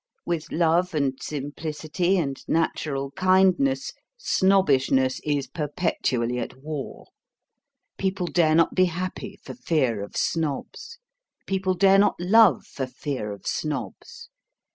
With love and simplicity and natural kindness Snobbishness is perpetually at war. People dare not be happy for fear of Snobs. People dare not love for fear of Snobs.